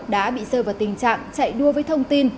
đã bị rơi vào tình trạng chạy đua với thông tin